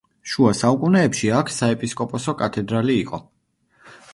შუა საუკუნეებში აქ საეპისკოპოსო კათედრალი იყო.